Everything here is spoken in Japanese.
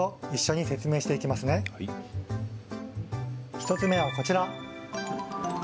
１つ目はこちら。